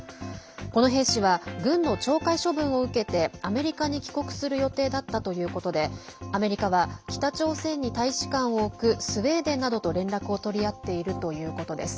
この兵士は軍の懲戒処分を受けてアメリカに帰国する予定だったということでアメリカは北朝鮮に大使館を置くスウェーデンなどと連絡を取り合っているということです。